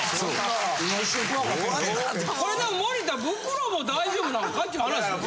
これでも森田ブクロも大丈夫なんかっちゅう話ですよ。